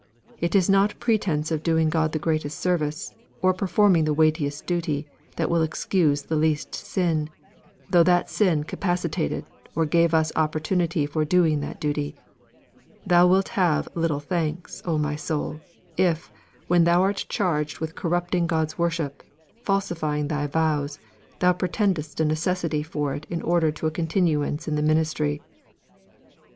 It is not pretence of doing God the greatest service, or performing the weightiest duty, that will excuse the least sin, though that sin capacitated or gave us the opportunity for doing that duty. Thou wilt have little thanks, O my soul! if, when thou art charged with corrupting God's worship, falsifying thy vows, thou pretendest a necessity for it in order to a continuance in the ministry."